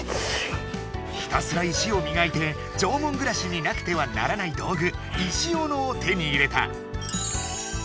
ひたすら石をみがいて縄文暮らしになくてはならない道具石オノを手に入れた。